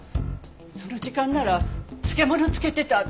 その時間なら漬物漬けてた。